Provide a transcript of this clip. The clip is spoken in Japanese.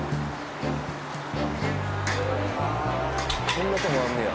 こんなとこあんねや。